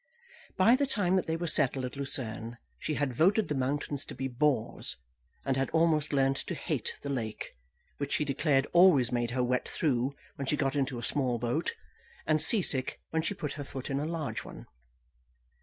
By the time that they were settled at Lucerne she had voted the mountains to be bores, and had almost learned to hate the lake, which she declared always made her wet through when she got into a small boat, and sea sick when she put her foot in a large one.